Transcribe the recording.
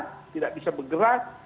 tidak bisa bergerak